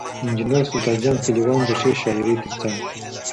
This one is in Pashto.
انجنیر سلطان جان کلیوال د ښې شاعرۍ تر څنګ